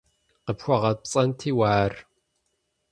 КъыпхуэгъэпцӀэнти уэ ар!